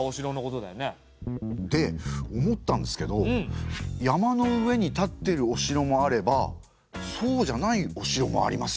で思ったんですけど山の上に立ってるお城もあればそうじゃないお城もありますよね。